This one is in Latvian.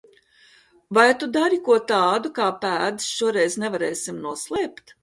Vai tu dari ko tādu, kā pēdas šoreiz nevarēsim noslēpt?